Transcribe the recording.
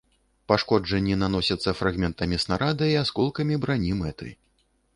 Пашкоджанні наносяцца фрагментамі снарада і асколкамі брані мэты.